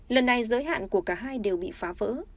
lần này giới hạn của cả hai đều bị phá vỡ